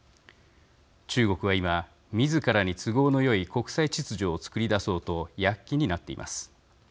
中国は今、みずからに都合のよい国際秩序を作り出そうと躍起になっています。